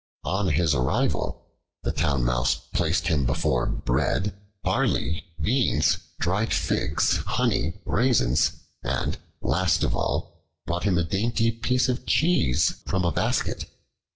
On his arrival, the Town Mouse placed before him bread, barley, beans, dried figs, honey, raisins, and, last of all, brought a dainty piece of cheese from a basket.